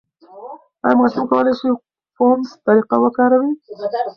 ایا ماشوم کولای شي فونس طریقه وکاروي؟